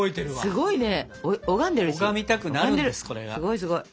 すごいすごい。